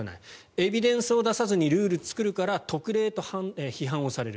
エビデンスを出さずにルールを作るから特例と批判される。